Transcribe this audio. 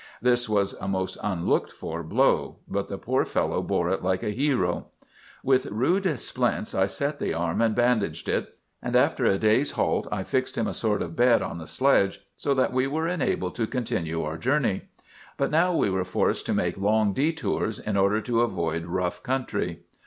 This was a most unlooked for blow, but the poor fellow bore it like a hero. "With rude splints I set the arm and bandaged it; and after a day's halt, I fixed him a sort of bed on the sledge, so that we were enabled to continue our journey. "But now we were forced to make long detours, in order to avoid rough country.